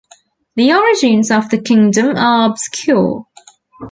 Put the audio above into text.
The origins of the kingdom are obscure.